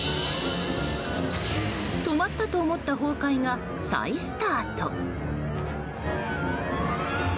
止まったと思った崩壊が再スタート。